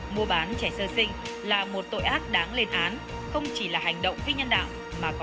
mua bán trẻ sơ sinh là một tội ác đáng lên án không chỉ là hành động viên nhân đạo